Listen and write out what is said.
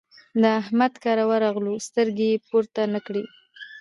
د احمد کره ورغلو؛ سترګې يې پورته نه کړې.